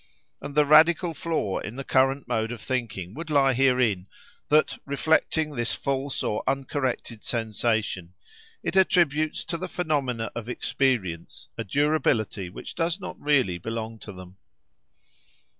And the radical flaw in the current mode of thinking would lie herein: that, reflecting this false or uncorrected sensation, it attributes to the phenomena of experience a durability which does not really belong to them.